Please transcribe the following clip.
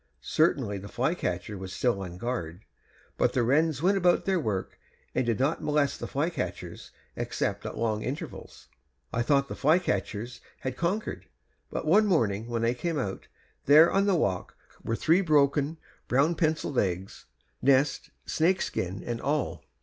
Certainly the flycatcher was still on guard, but the wrens went about their work and did not molest the flycatchers except at long intervals. I thought the flycatchers had conquered; but one morning when I came out, there on the walk were three broken, brown penciled eggs, nest, snakeskin, and all.